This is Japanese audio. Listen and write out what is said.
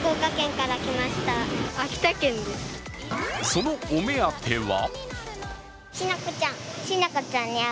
そのお目当ては？